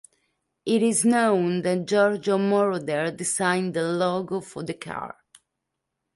It is known that Giorgio Moroder designed the Logo for the car.